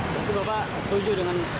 jadi bapak setuju dengan